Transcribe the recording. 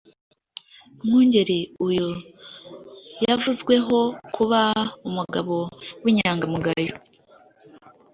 Mwungeri uyu yavuzweho kuba umugabo w’inyangamugayo